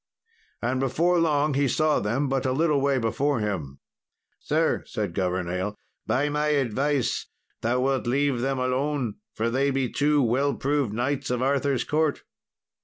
And before long he saw them but a little way before him. "Sir," said Governale, "by my advice thou wilt leave them alone, for they be two well proved knights of Arthur's court."